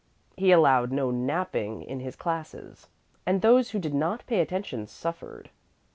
He allowed no napping in his classes, and those who did not pay attention suffered.